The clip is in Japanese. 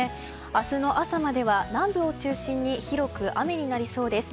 明日の朝までは、南部を中心に広く雨になりそうです。